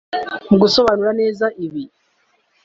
Mu gusobanura neza ibi